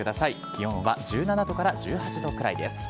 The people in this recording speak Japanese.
気温は１７度から１８度くらいです。